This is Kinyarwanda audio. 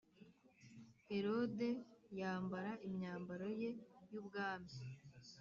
Herode yambara imyambaro ye y ubwami